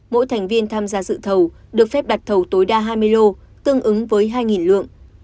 mỗi thành viên tham gia dự thầu được phép đặt thầu tối đa hai mươi lô tương ứng với hai lượng